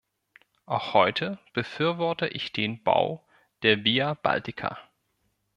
Auch heute befürworte ich den Bau der Via Baltica.